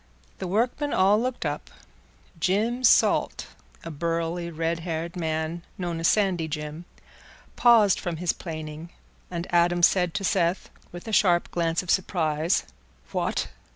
The workmen all looked up; Jim Salt, a burly, red haired man known as Sandy Jim, paused from his planing, and Adam said to Seth, with a sharp glance of surprise, "What!